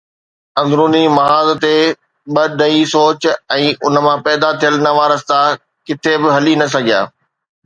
اندروني محاذ تي به نئين سوچ ۽ ان مان پيدا ٿيل نوان رستا ڪٿي به هلي نه سگهيا.